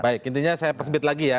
baik intinya saya persebit lagi ya